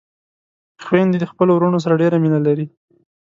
خويندې خپلو وروڼو سره ډېره مينه لري